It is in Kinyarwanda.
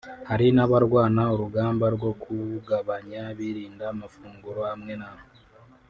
hari n’abarwana urugamba rwo kuwugabanya birinda amafunguro amwe n’amwe